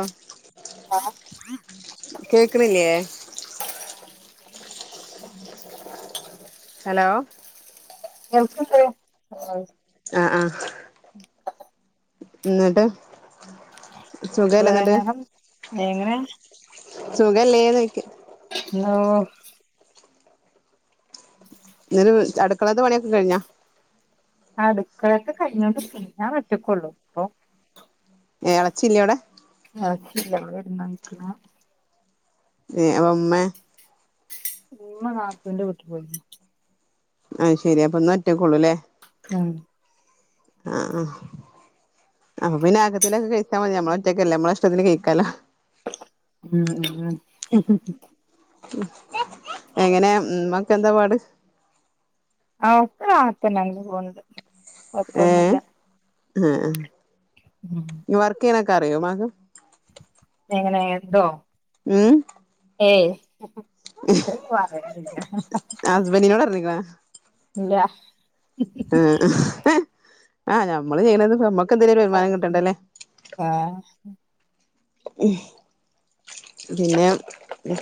ആഹ് ആഹ് കേക്ക്ണില്ലേ ഹലോ എവിടെക്ക്ട്ട് ആഹ് ആഹ് ന്നട്ട് വേണം എങ്ങനെ സുഖലേന്നൊയ്ക്ക ന്നോ ന്നലെ അടുക്കളത്തെ പണിയൊക്കെ കഴിഞ്ഞാ? അടുക്കളയൊത്തെ കഴിഞ്ഞോണ്ട് ക്ക് ഞാൻ വെട്ടക്കൊള്ളൂ പ്പൊ എ എളച്ചില്ലവിടെ എച്ചില്ല അവള് വിരിന്നോയിക്ക്ണേ ഏ പ്പ മ്മേ? ഇമ്മ നത്തുന്റെ വീട്ടി പോയിണ് ആഹ്ശരി പ്പ ഇന്ന് ഒറ്റക്കൊള്ളൂല്ലേ അ ആഹ് അപ്പ പിന്നെ അകത്തിനൊക്കെ കഴിച്ചാൽ മതി നമ്മള ഒറ്റക്കല്ലെ നമ്മളെ ഇഷ്ടത്തിന് കഴിക്കാലോ ഉം ഉം എങ്ങനെ ഉമ്മക്കെ എന്താ പാട് ആ ഒക്കെ കണകഞ്ഞെ അങ്ങനെ പോണത് ഏഹ് അ അഹ് വർക്ക് ചെയ്യനൊക്കെ അറിയോ മ്മാക്ക് എങ്ങനെ എന്തോ ഉം ഏയ് [unintelligible] ഹസ്ബൻഡിനോട് പറഞ്ഞിക്കണോ [unintelligible] ആഹ് നമ്മള് ചെയ്യ്ണത് നമ്മക്ക് എന്തേും വരുമാനം കിട്ടണ്ടല്ലേ ആഹ് ഉം പിന്നെ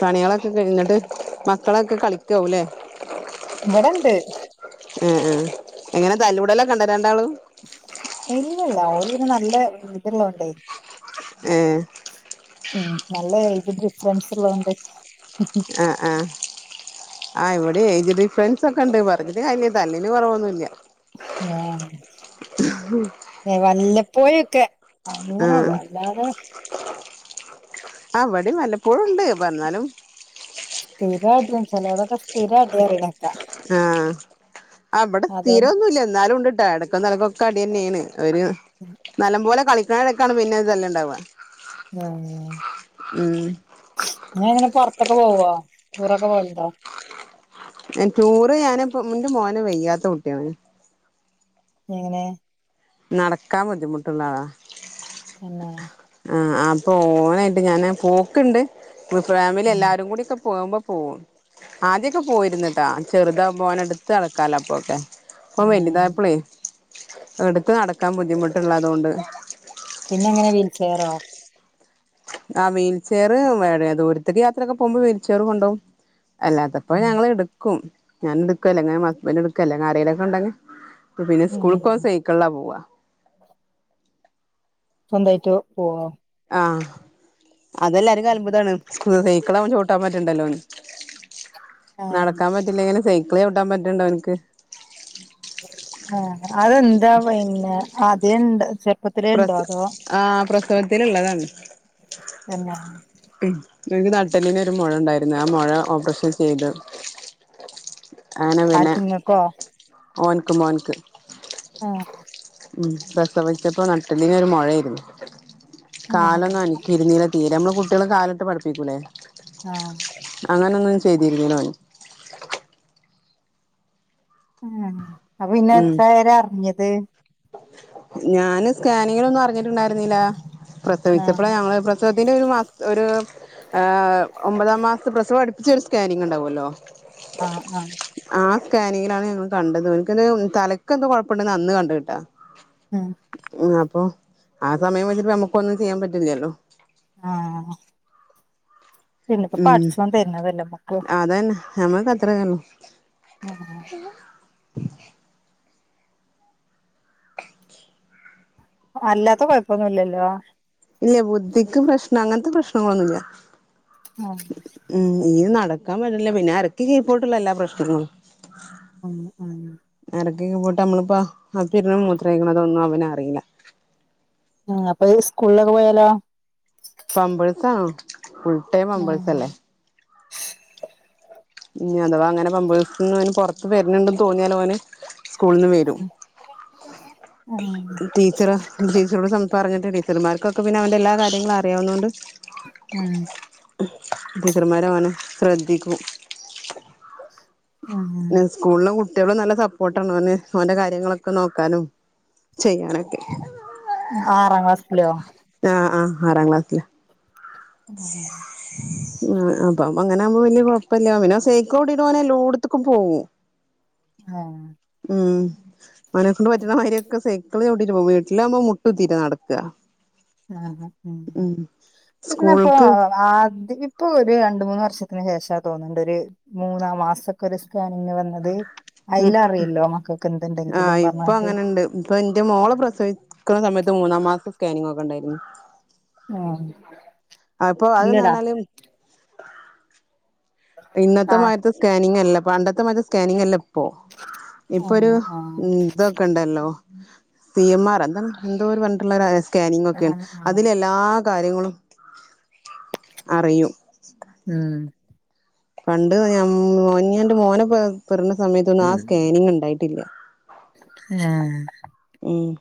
പണികളൊക്കെ കഴിട്ട് മക്കളൊക്കെ കളിക്കാവല്ലേ [unintelligible] ഇവിടെണ്ട് ആ ആ എങ്ങനെ തല്ലൂടലൊക്കെ ഇണ്ട രണ്ടാളും ഇല്ലല്ല ഓല് പിന്നെ നല്ല ഇത് ഉള്ളോണ്ടെ ഏഹ് ഉം നല്ല എയ്ജ് ഡിഫറൻസ് ഉള്ളത് കൊണ്ട് ആഹ് ആഹ് ആഹ് ഇവിടേം ഏജ് ഡിഫ്രൻസ് ഒക്കെണ്ട് പറഞ്ഞിട്ട് കാര്യം ഇല്ല തല്ലിന് കുറവൊന്നുമില്ല ആഹ വല്ലപ്പോയൊക്കെ അങ്ങനെള്ളൂ അല്ലാതെ ആ ഇവിടിം വല്ലപ്പോഴുണ്ട് പ്പൊ ന്നാലും സ്ഥിരം അടി ചിലവിടൊക്കെ സ്ഥിരം അടി ആന്ന് പറയിണ കേക്കാം ആഹ ഇവിടെ അതൊന്നും സ്ഥിരമൊന്നുമല്ല എന്നാലും ഇണ്ട് ട്ടാ ഇടക്കും തലക്കൊക്കെ അടി തന്നെയാണ് ഒരു ഉം നല്ലം പോലെ കളിക്കണ ഇടയ്ക്കാണ് പിന്നെ തല്ല് ഉണ്ടാവുക ഉ ഇങ്ങൾ എങ്ങനെ പുറത്തൊക്കെ പോവോ ടൂറൊക്കെ പോവലണ്ടോ ടൂറ് ഞാന് ഇപ്പോ ഇന്റെ മോന് വെയ്യാത്ത കുട്ടിയാണ് എങ്ങനെ നടക്കാൻ ബുദ്ധിമുട്ടുള്ള ആളാ തന്നെ ആ അപ്പൊ ഓനായിട്ട് ഞാൻ പോക്ക്ണ്ട് ഫാമിലി ഉം എല്ലാരും കൂടി ഒക്കെ പോകുമ്പോ പോകും ആദ്യൊക്കെ പോയിരുന്ന് ട്ടാ ചെറുതാവമ്പോ ഓനെ എടുത്ത് നടക്കാലോ അപ്പൊക്കെ ഇപ്പം ആഹ് വലുതായപ്പളെ എടുത്ത് നടക്കാൻ ബുദ്ധിമുട്ടുള്ളതുകൊണ്ട് പിന്നെ എങ്ങനെ വീൽചെയറോ ആ വീൽചെയറ് വേടെ ദൂരത്തേക്ക് യാത്രയൊക്കെ പോകുമ്പോ വീൽചെയർ കൊണ്ടോകും അല്ലാത്തപ്പൊ ഉം ഞങ്ങള് ഇടുക്കും ഞാന് ഇടക്കും അല്ലെങ്കെ ഹസ്ബൻഡ് ഇടക്കെ അല്ലേൽ ആരേലും ഒക്കെ ഇണ്ടെങ്കെ പിന്നെ ഉം സ്കൂൾക്ക് ഓൻ സൈക്കിളിലാ പോവ സ്വന്തമായിട്ട് പോവോ ആഹ അതെല്ലാരും കലമ്പുതാണ് സൈക്കിൾ ആവുമ്പോ ചവിട്ടാൻ പറ്റണ്ടല്ലോന് ആഹ് നടക്കാൻ പറ്റ ഇല്ലെങ്ങങ്കിലും സൈക്കിള് ചവിട്ടാൻ പറ്റണ്ടോനിക്ക് ആഹ അതെന്താ പിന്നെ ആദ്യേ ണ്ട് പ്രസാ ആഹ പ്രസവത്തില് ഉള്ളതാണ് തന്നെ ഉം ഇവനിക്ക് നട്ടെല്ലിന് ഒരു മുഴ ഉണ്ടായിരുന്നു ആ മുഴ ഓപ്പറേഷൻ ചെയ്തു അങ്ങനെ പിന്നെ ആർക്ക് ഇങ്ങക്കോ ഓന്ക്ക് മോന്ക്ക് ആഹ ഉം പ്രസവിച്ചപ്പോ നട്ടലിന് ഒരു മൊഴയിരുന്നു ആഹ് കാലൊന്നും അന തിരുന്നീല തീരെ നമ്മള് കുട്ടികളെ കാല്ട്ട് പഠിപ്പിക്കൂലേ ആഹ അങ്ങനെ ഒന്നും ചെയ്തിരുന്നില ഓൻ ഉ അപ്പൊ പിന്നെ ഉം എത്ര ആയരെ അറിഞ്ഞത് ഞാന് സ്കാനിങ്ങിലൊന്നും അറിഞ്ഞിട്ടുണ്ടായിരുന്നില്ല പ്രസവിച്ചപ്പോള ആഹ് ഞങ്ങള് സത്തിന്റെ ഒരു മാസത് ഒരു ഒമ്പതാം മാസത്തെ പ്രസവം അടുപ്പിച്ചൊരു സ്കാനിങ് ഉണ്ടാവുമല്ലോ ആഹ ആഹ ആഹ് ആ സ്കാനിങ്ങിലാണ് ഞങ്ങള് കണ്ടത് ൻക്ക്ത് തലക്കെന്തോ കൊഴപ്പണ്ട്ന്നാ അന് കണ്ടത്ട്ടാ ഉം ഏഹ് അപ്പൊ ആ സമയം വെച്ചിട്ട് നമുക്കാെന്നും ചെയ്യാൻ പറ്റില്ല്യല്ലോ ആഹ് പിന്നപ്പോ പട്ച്ചാേൻ തര്ണതല്ലെ മ്മക്ക് അതെന്നേ ഞമ്മൾക്കത്രെന്നെള്ളു ഉം ഊം അല്ലാത്ത കൊഴപ്പൊന്നുല്ല്യല്ലോ ഇല്ല ബുദ്ധിക്ക് പ്രശ്നം അങ്ങൻത്തെ പ്രശ്നങ്ങളൊന്നുല്ല ഓക്കെ ഉം ഇഞ്ഞ് നടക്കാൻ പറ്റ്ണില്ല പിന്നെ അരക്ക് കീപ്പോട്ട്ള്ള എല്ലാ പ്രശ്നങ്ങളും ഉം ആഹ് നേരത്തെക്കെ പോയിട്ട് നമ്മളിപ്പോ അപ്പിടാ മൂത്രാെയ്ക്ക്ണതൊന്നും അവന് അറീലാ ആഹ് അപ്പൊ ഈ സ്കൂൾലൊക്കെ പോയാലോ പമ്പേഴ്സാണ് ഫുൾട്ടൈം ഉം പമ്പേഴ്സല്ലേ ഉം ഞ്ഞഥവാ അങ്ങനെ പമ്പേഴ്സ്ന്ന് അവന് പാെറത്ത് വര്ണ്‌ണ്ട് തോന്നിയാലോന് ഓന് സ്കൂൾന്ന് വെരും ആഹ് ടീച്ചറ് ടീച്ചറോട് സംസാരങ്ങട്ട് ടീച്ചർമാര്ക്കൊക്കെ പിന്നെ അവന്റെ എല്ലാ കാര്യങ്ങളും അറിയാവുന്നോണ്ട് ആഹ് ടീച്ചർമാരവനെ ശ്രദ്ധിക്കും ഉം സ്കൂൾലെ കുട്ട്യേളും നല്ല സപ്പോട്ടാണ് ഓന് ഓന്റെ കാര്യങ്ങളൊക്കെ നോക്കാനും ചെയ്യാനൊക്കെ ആറാം ക്ലാസ്സ്ലോ? ആഹ് ആഹ് ആറാം ക്ലാസ്സ്ലാ അഹ് ആഹ് ആഹ് അപ്പം അപ്പങ്ങനാകുമ്പം വല്യ കാെഴപ്പല്ല്യാ പിന്നെ ആ സെയ്ക്കളോട്ടീട്ടോനെല്ലോട്ത്ത്ക്കും പോകും ആഹ് ഉം ഓനെക്കൊണ്ട് പറ്റ്ണ മാര്യൊക്കെ സെയ്ക്കള് ചവ്ട്ടീട്ട് പോവും വീട്ട്ലാവുമ്പം മുട്ടുത്തീട്ടാ നട്ക്കാ ആഹ് അഹ് ആഹ് ഇതിനപ്പൊ സ്കൂൾക്ക് ആദ്യ ഇപ്പൊ ഒര് രണ്ട് മൂന്ന് വർഷത്തിന് ശേഷാ തോന്ന്ണ്ട് ഒര് മൂന്നാ മാസൊക്കാെര് സ്കാനിങ്ങ് വന്നത് ഉം അയ്ലറ്യല്ലോ മക്കെക്കെന്ത്ണ്ടെങ്കിലും പർഞ്ഞാട്ട് പ്പൊ ഇന്റെ മോളെ പ്രസവിക്ക്ണ സമയത്ത് മൂന്നാം മാസ്ത്തെ സ്കാനിങ്ങൊക്കെ ണ്ടായ്ര്ന്നു ആഹ് അപ്പോ അത്‌ന്നർഞ്ഞാല് ആഹ് ഇന്നത്തെമായ്ര്ത്തെ സ്കാനിങ്ങല്ല പണ്ടെത്തെമായ്ര്ത്തെ സ്കാനിങ്ങല്ലെ പ്പോ ഇപ്പൊരു ആഹ് ആഹ് ഉം തൊക്കെണ്ടല്ലോ സി എം ആർ എന്താണ് എന്തോര് പർഞ്ഞിട്ട്ള്ളാെരായാസ് സ്കാനിങ്ങാെക്കെ ആഹ് ആഹ് അതിലെല്ലാ കാര്യങ്ങളും അറിയും ആഹ് പണ്ട് ഞാം ഞാന്റെ മോനെ പെറ് പെറ്ണ സമയത്തൊന്നും ആ സ്കാനിങ് ണ്ടായിട്ട്ല്ല്യാ ഏഹ് ഉം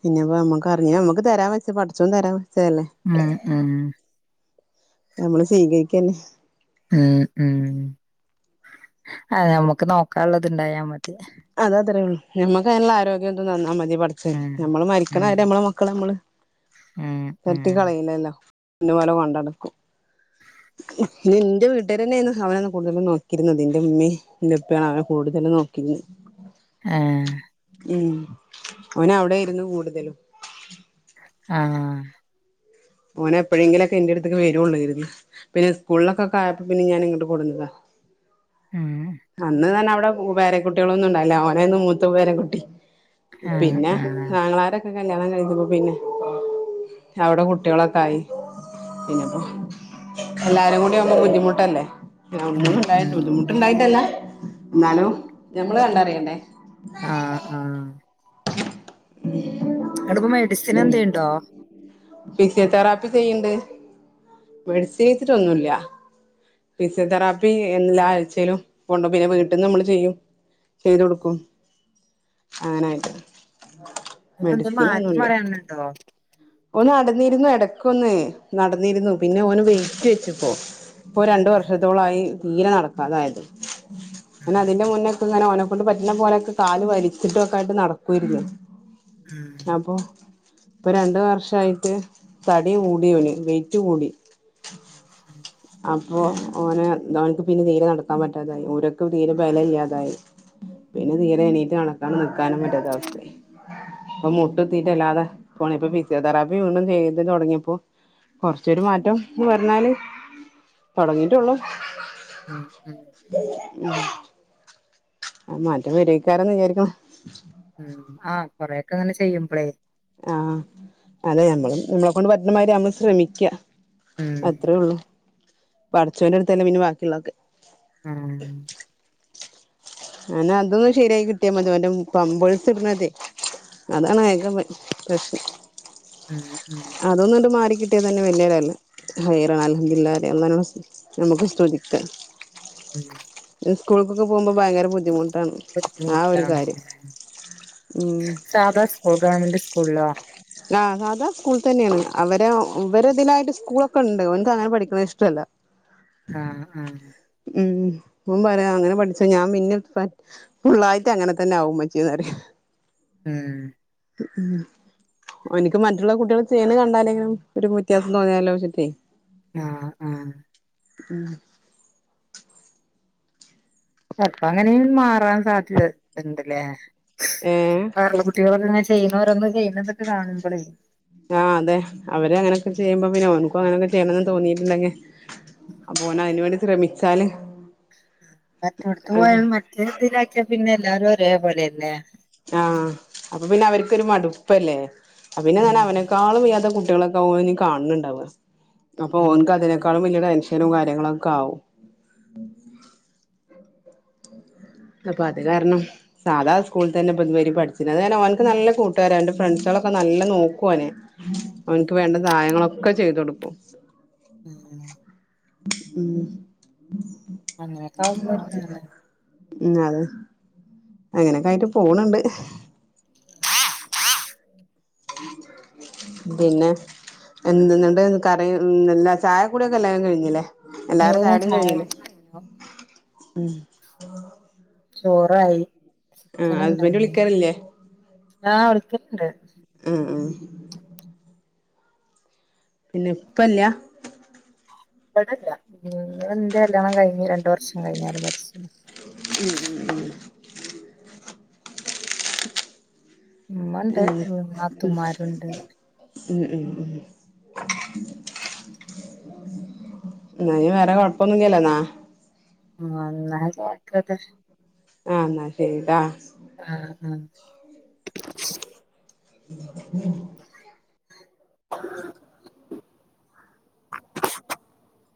പിന്നെപ്പ നമ്മക്ക് അറിഞ്ഞാ മ്മക്ക് തരാൻ വെച്ചെ പട്ച്ചോൻ തരാൻ വെച്ചെല്ലേ ആഹ് ആഹ് നമ്മള് സീകരിക്കെന്നെ ഉം ഉം ആതെ ഞമ്മക്ക് നോക്കാൻള്ളത്ണ്ടായാ മതി അത അത്രേള്ളൂ ഞമ്മക്കയ്ന്ള്ള ആരോഗ്യും തും തന്നാ മതി പടച്ചെ ഉം നമ്മള് മരിക്ക്ണ ഉം വെരെ നമ്മളെ മക്കളെ മ്മള് ഉം ഉം തട്ടി കളയില്ലല്ലോ ഇത്പോലെ വാണ്ടാ ന്ക്കും [inaudible] ഇ എന്റെ വീട്ടുകാര് തന്നെയായിരുന്നു അവന കൂടുതലും നോക്കിരുന്നത് എന്റെ ഉമ്മയും എന്റെ ഇപ്പാണ് അവനെ കൂടുതലും നോക്കിരുന്നത്. [inaudible] ആഹ് ഉം അവനവിടായിരുന്നു കൂടുതലും. ആഹ് ഓനെപ്പോഴെങ്കിലൊക്ക എന്റെ അടുത്തേക്ക് വരുവൊള്ളാരുന്ന് പിന്നെ സ്കൂളിലൊക്കൊക്കായപ്പോ പിന്നെ ഞാൻ ഇങ്ങട് കൊടുന്നതാ. ഉം അന്ന് തന്നെ അവിടെ പേര കുട്ടികളൊന്നും ഇണ്ടായില്ല ഓനന്ന് മൂത്ത പേരക്കുട്ടി ആഹ് പിന്നെ ആഹ് ആങ്ങളാരൊക്കെ കല്യാണം കഴിഞ്ഞപ്പോ പിന്നെ അവിടെ കു ട്ടികളൊക്കെ ആയി പിന്നപ്പോ എല്ലാരും കൂടി ആമ്പം ബുദ്ധിമുട്ടല്ലേ. [unintelligible] ഉം ഉണ്ടായിട്ടല്ല ഉം ബുദ്ധിമുട്ടുണ്ടായിട്ടല്ല എന്നാലും ഞമ്മള് കണ്ടറിയണ്ടേ. ആഹ് ആഹ് [inaudible] അടിപ്പ മെഡിസിൻ ഉം എന്തേണ്ടോ? ഫിസിയോതെറാപ്പി ചെയ്യണ്ട്. മെഡിസിൻ കയിച്ചിട്ടൊന്നുല്ല. ഫിസിയോ തെറാപ്പി എല്ലാ ആഴ്ചയിലും പോണ്ട പിന്നെ വീട്ടിൽന്ന് നമ്മൾ ചെയ്യും. ചെയ്ത് കൊടുക്കും അങ്ങനായിട്ട്. അ എന്ത് മാറ്റം വരണിണ്ടോ? ഓന് നടന്നിരുന്നു ഇടക്കൊന്ന് നടന്നിരുന്നു പിന്നെ ഓന് വെയിറ്റ് വെച്ചിപ്പോ ഇപ്പൊ രണ്ടു വർഷത്തോളായി തീരെ നടക്കാതായത് ആഹ് അതിന്റെ മുന്നേക്കെ ഇങ്ങനെ ഓനെ ക്കൊണ്ട് പറ്റുന്ന പോലെക്കെ കാല് വലച്ചിട്ടൊക്കെ ആയിട്ട് നടക്കുവാരുന്നു ആഹ് അപ്പൊ ഇപ്പൊ രണ്ടു വർഷായിട്ട് തടി കൂടിയവന് വെയ്റ്റ് കൂടി. ഉം അ പ്പോ ഓന് ഓനക്ക് പിന്നെ തീരെ നടക്കാൻ പറ്റാതായി ഓരൊക്കെ തീരെ ബലയില്ലാതായി പിന്നെ തീരെ എണീറ്റ് നടക്കാനും നിക്കാനും പറ്റാത്ത അവസ്ഥയായി അപ്പൊ മുട്ട്ത്തിട്ടല്ലാതെ പോണിപ്പ ഭിത്തി സിയോ തെറാപ്പി വീണ്ടും ചെയ്ത് തുടങ്ങിയപ്പോ കൊറച്ചൊരു മാറ്റംന്ന് പറഞ്ഞാല് തുടങ്ങീട്ടൊള്ളൂ ഉം ഉം ഉം മാറ്റം വെരയക്കാരന്ന് വിചാരിക്കുണു. ഉം ആഹ് കൊറെക്കെ അങ്ങനെ ചെയ്യുമ്പളേ ആഹ് അതെ നമ്മളും നമ്മളെ കൊണ്ട് പറ്റണ മാതിരി നമ്മള് ശ്രമിക്ക ഉം അത്രേ ഉള്ളു. പഠചോന്റെടുത്തല്ലേ പിന്നെ ബാക്കിയുള്ളൊക്കെ. ആഹ് അനെ അതൊന്ന് ശരിയായി കിട്ടിയാ മതി മറ്റേ പമ്പൊയ്സിടുന്നതേ അതാണ് ഏക പ്രശ്നം ഉം ഉം അതൊന്നുണ്ട് മാറിക്കിട്ടിയ തന്നെ വലിയ [unintelligible] ഹൈറാണ് അൽഹമ്മദിലില്ലാഹ് [unintelligible] ഞമ്മക് സ്തുധിക്ക മ് സ്കൂളിക്കൊക്കെ പോകുമ്പോ ഭയങ്കര ബുദ്ധിമുട്ടാണ്. ആ ഒരു കാര്യം ബുദ്ധിമുട്ടാണ്ല്ലേ ഉം സാധാ സ്കൂളിലൊ ഗവൺമെന്റ് സ്കൂളിലൊ? ആഹ് സാധാ സ്കൂൾ തന്നെയാണ് അവരെ അവരെതിലായിട്ട് സ്കൂളൊക്കെ ഉണ്ട് ഓന്ക് അങ്ങനെ പഠിക്കുന്നത് ഇഷ്ടല്ല. ആഹ് ആഹ്. ഉം ഓൻ പറയാ അങ്ങനെ പഠിച്ച ഞാൻ പിന്നെ ഫുള്ളായിട്ട് അങ്ങനെ തന്നാവും മ്മച്ചീന്ന് പറയും ഉം ഉം ഒനിക്ക് മറ്റുള്ള കുട്ടികൾ ചെയ്യുന്ന കണ്ടാലെങ്കിലും ഒരു വ്യത്യാസം തോന്നിയാലോചെട്ടെ. ആഹ് ആഹ് മ്. ചെൽപ്പ അങ്ങനെയും മാറാൻ സാധ്യതണ്ട്ല്ലേ? ഏഹ് വേറൊള്ള കുട്ടികൾക്കെങ്ങനെ ചെയ്യുന്നവരോന്ന് ചെയ്യുന്നതക്കെ കാണുമ്പോളേ ആഹ് അതെ അവരെ അങ്ങനൊക്കെ ചെയ്യുമ്പോ പിന്നെ ഓനക്കും അങ്ങനൊക്കെ ചെയ്യണന്ന് തോന്നിയിട്ടിണ്ടെങ്കി അപ്പോനയ്ന് വേണ്ടി ശ്രമിച്ചാല് മറ്റടുത്ത് അത് പോയാ മറ്റേ ഇതിലാക്കിയ പിന്നെ എല്ലാരും ഒരേപോലെയല്ലേ ആഹ് അപ്പൊ പിന്നെ അവർക്കൊരു മടുപ്പല്ലേ അ പിന്നെ ഉം അവനെക്കാളും വ്യാത്ത കുട്ടികളൊ ഓന് കാണുന്നുണ്ടാവ അപ്പൊ ആഹ് ഓനക്ക് ആഹ് അതിനേക്കാളും വലിയ ടെൻഷനും കാര്യങ്ങളുംക്കെ ആവും. അപ്പൊ അത് കാരണം സാധാ സ്കൂളൾ തന്നെത് രി പഠിച്ചിനി അതുകാരണം ഓനക്ക് നല്ല കൂട്ടുകാര അവൻന്റെ ഫ്രണ്ട്സുകളൊക്കെ നല്ല നോക്കു ഓനെ ഉം അവനിക്ക് വേണ്ട സഹായങ്ങളൊക്കെ ചെയ്തു കൊടുക്കും. മ് മ് അങ്ങനെയൊക്കെ ആവുമ്പോ ഒരിതാണ് [inaudible] ഉം അത് അങ്ങനെയൊക്കെ ആയിട്ട് പോണുണ്ട്. പിന്നെ എന്ത്‌ന്നണ്ട് കറങ്ങി ചായക്കൂടിയൊക്കെ എല്ലാരും കഴിഞ്ഞില്ലേ? യോ എല്ലാരുടെ ചായടിം ചായ കഴിഞ്ഞിലെ കുടി കഴിഞ്ഞോ ഉം? ചോറായി. ആ ഹസ്ബൻഡ് വിളിക്കാറില്ലേ ആ വിളക്കലണ്ട് ആ ആഹ് പിന്നെ ഇപ്പല്ല ബ്ടലാ എന്റെ കല്യാണം കഴിഞ്ഞ് രണ്ടു വർഷം കഴിഞ്ഞാല് മരിച്ച് ഉം ഉം ഉമ്മ ണ്ട് നാത്തുമാരുണ്ട്. ഉം ഉം ന്നാ ഇനി വേറെ കൊഴപ്പൊന്നില്ലല്ലോ മാ ന്ന [unintelligible] യിക്കോട്ടെ ആ ന്നാ ശരിടാ. ആ അഹ് [inaudible] [inaudible]